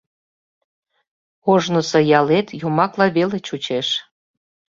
Ожнысо ялет йомакла веле чучеш.